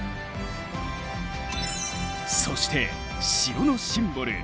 そして城のシンボル